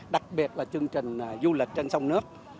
đặc biệt là chương trình du lịch trên sông nước